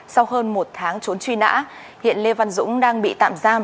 sau hơn một tháng trốn truy nã hiện lê văn dũng đang bị tạm giam